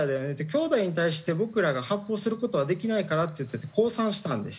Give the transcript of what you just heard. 兄弟に対して僕らが発砲する事はできないからって言って降参したんですよ。